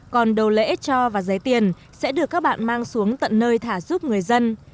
còn đầu lễ cho và giấy tiền sẽ được các bạn mang xuống tận nơi thả giúp người dân